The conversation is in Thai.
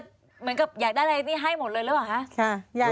เหมือนกับอยากได้อะไรนี่ให้หมดเลยหรือเปล่าคะ